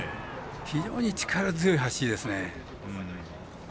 非常に力強い走りですね。